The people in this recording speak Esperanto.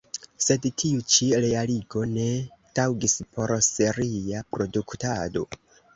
Sed tiu ĉi realigo ne taŭgis por seria produktado.